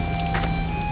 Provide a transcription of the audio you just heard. ketika dia keluar